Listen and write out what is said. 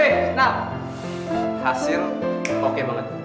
hasilnya oke banget